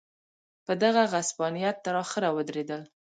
په دغه غصبانیت تر اخره ودرېدل.